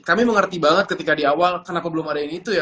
kami mengerti banget ketika di awal kenapa belum ada yang itu ya